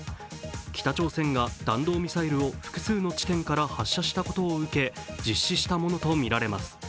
北朝鮮が弾道ミサイルを複数の地点から発射したことを受け実施したものとみられます。